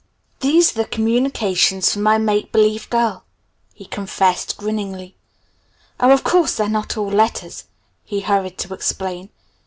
"These are the communications from my make believe girl," he confessed grinningly. "Oh, of course they're not all letters," he hurried to explain.